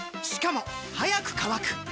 しかも速く乾く！